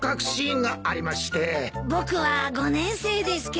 僕は５年生ですけど。